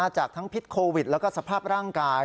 จากทั้งพิษโควิดแล้วก็สภาพร่างกาย